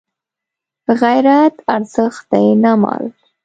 غیرت ارزښت دی نه مال